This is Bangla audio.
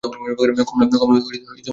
কমলা মুশকিলে পড়িয়া গেল।